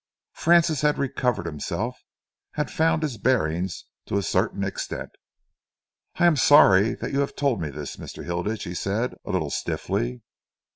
Francis had recovered himself, had found his bearings to a certain extent. "I am sorry that you have told me this, Mr. Hilditch," he said, a little stiffly.